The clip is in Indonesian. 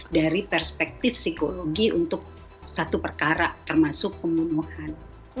dari perspektif psikologi untuk satu perkara termasuk pembunuhan